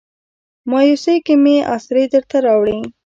مایوسۍ کې مې اسرې درته راوړي